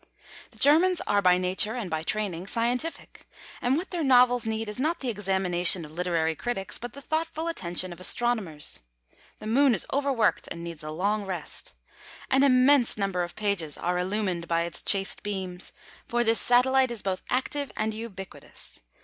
The Germans are, by nature and by training, scientific; and what their novels need is not the examination of literary critics, but the thoughtful attention of astronomers. The Moon is overworked, and needs a long rest. An immense number of pages are illumined by its chaste beams, for this satellite is both active and ubiquitous.